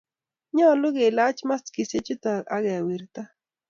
nyalun kelach maskishek chuto akewirta